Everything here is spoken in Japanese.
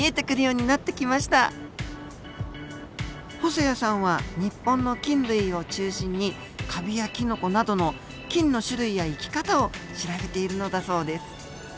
細矢さんは日本の菌類を中心にカビやキノコなどの菌の種類や生き方を調べているのだそうです。